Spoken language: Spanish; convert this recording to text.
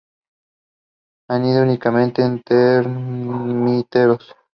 Anida únicamente en termiteros.